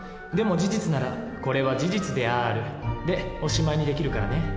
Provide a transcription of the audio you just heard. でも事実なら「これは事実である」でおしまいにできるからね。